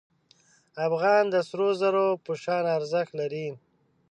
افغان د سرو زرو په شان ارزښت لري.